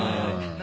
何？